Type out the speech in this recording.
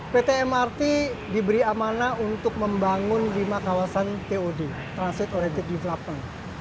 pt mrt diberi amanah untuk membangun lima kawasan tod transit orited development